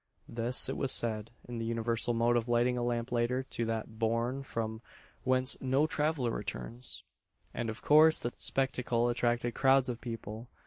This, it was said, is the universal mode of lighting a lamplighter to "that bourne from whence no traveller returns," and, of course, the spectacle attracted crowds of people.